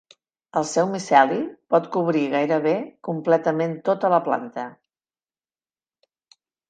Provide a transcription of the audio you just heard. El seu miceli pot cobrir gairebé completament tota la planta.